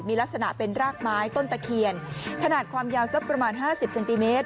มีลักษณะเป็นรากไม้ต้นตะเคียนขนาดความยาวสักประมาณห้าสิบเซนติเมตร